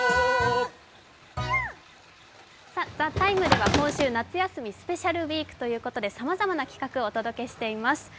「ＴＨＥＴＩＭＥ，」では今週「夏休みスペシャルＷＥＥＫ」ということでさまざまな企画をお届けしています。